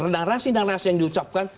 narasi narasi yang diucapkan